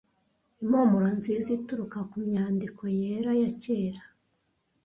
impumuro nziza ituruka kumyandiko yera ya kera